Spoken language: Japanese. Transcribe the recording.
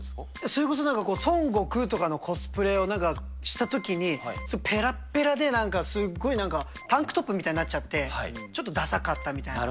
それこそなんか、孫悟空とかのコスプレを、なんか、したときに、ぺらっぺらで、なんかすっごいなんか、タンクトップみたいになっちゃって、ちょっとださかったみたいな。